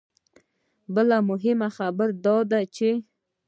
بله مهمه خبره دا ده چې